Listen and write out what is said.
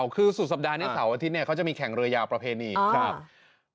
คือสุดสัปดาห์นี้เสาร์อาทิตย์เขาจะมีแข่งเรือยาวประเพณีครับ